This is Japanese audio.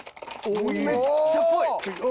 めっちゃっぽい！